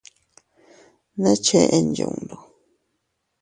¿Ne chen yundu?